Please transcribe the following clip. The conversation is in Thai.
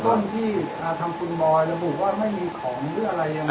เวื่อมต้นที่ทำคุณบอยระบุว่าไม่มีของหรืออะไร